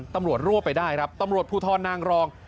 ตำรวจรวบไปได้ครับตำรวจภูทรนางรอง